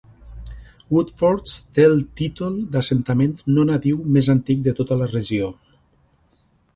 Woodfords té el títol d'assentament no nadiu més antic de tota la regió.